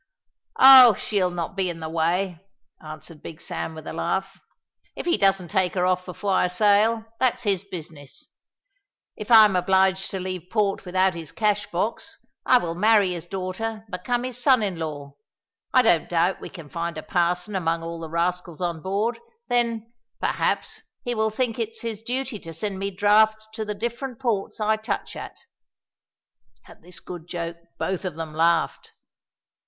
"Oh, she'll not be in the way," answered Big Sam with a laugh. "If he doesn't take her off before I sail, that's his business. If I am obliged to leave port without his cash box, I will marry his daughter and become his son in law I don't doubt we can find a parson among all the rascals on board then, perhaps, he will think it his duty to send me drafts to the different ports I touch at." At this good joke, both of them laughed.